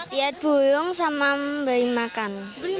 lihat burung sama beri makan